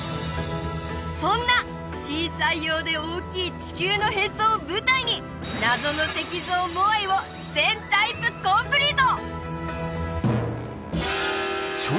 そんな小さいようで大きい地球のへそを舞台に謎の石像モアイを全タイプコンプリート！